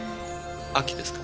秋ですか？